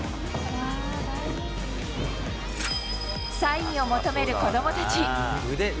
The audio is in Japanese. サインを求める子どもたち。